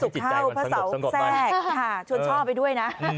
ที่กิจก่อนช่องไปด้วย